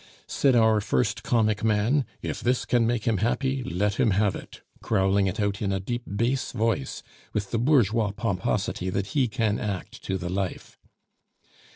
Said our first comic man, 'If this can make him happy, let him have it!' growling it out in a deep bass voice with the bourgeois pomposity that he can act to the life.